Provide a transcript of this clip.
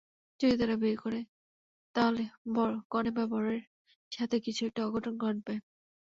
যদি তারা বিয়ে করে তাহলে কনে বা বরের সাথে কিছু একটা অঘটন ঘটবে।